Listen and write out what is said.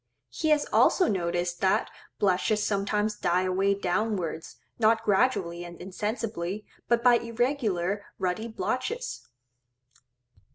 He has also noticed that blushes sometimes die away downwards, not gradually and insensibly, but by irregular ruddy blotches.